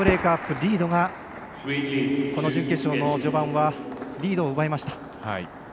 リードが準決勝の序盤はリードを奪いました。